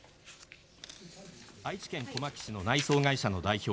愛知県小牧市の内装会社の代表